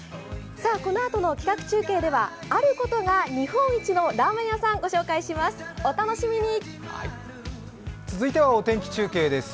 このあとの企画中継ではあることが日本一のラーメン屋さんをご紹介します。